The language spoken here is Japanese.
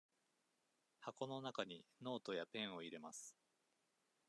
箱の中にノートやペンを入れます。